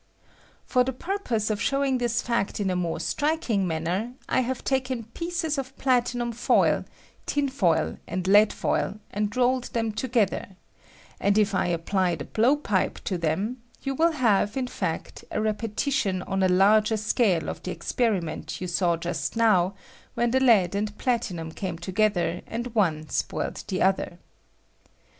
For the purpose of showing this fact in a more striking manner, I have taken pieces of platinnm foil, tin foil, and lead foil, and roll ed them together; and if I apply the blow 202 FUSION OP PLATINUM WITH LEAD. pipe to them, you will have, in feet, a repetition on a larger scale of the experiment you saw just now when the lead and platinum came together, and one spoiled the other.